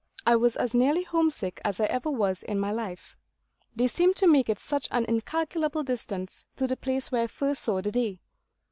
I was as nearly home sick as ever I was in my life; they seemed to make it such an incalculable distance to the place where I first saw the day.